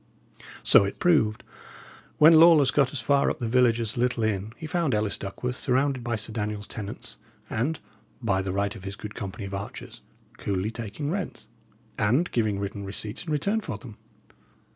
So it proved. When Lawless got as far up the village as the little inn, he found Ellis Duckworth surrounded by Sir Daniel's tenants, and, by the right of his good company of archers, coolly taking rents, and giving written receipts in return for them.